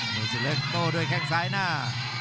ธนูสึกเล็กตั้งด้วยแข็งซ้ายหน้า